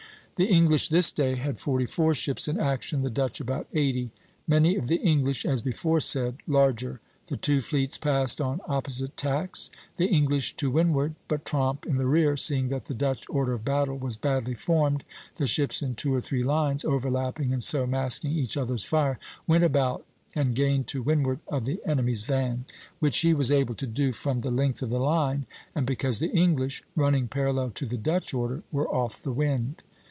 The English this day had forty four ships in action, the Dutch about eighty; many of the English, as before said, larger. The two fleets passed on opposite tacks, the English to windward; but Tromp, in the rear, seeing that the Dutch order of battle was badly formed, the ships in two or three lines, overlapping and so masking each other's fire, went about and gained to windward of the enemy's van (R'); which he was able to do from the length of the line, and because the English, running parallel to the Dutch order, were off the wind.